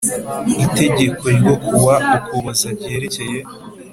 Itegeko ryo ku wa Ukuboza ryerekeye